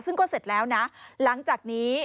ซึ่งก็เสร็จแล้วนะหลังจากนี้